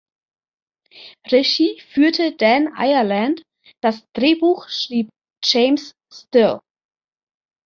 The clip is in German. Regie führte Dan Ireland, das Drehbuch schrieb James Still.